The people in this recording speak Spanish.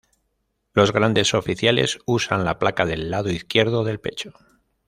Los Grandes Oficiales usan la placa del lado izquierdo del pecho.